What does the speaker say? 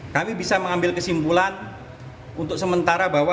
kami bisa mengambil kesimpulan untuk sementara bahwa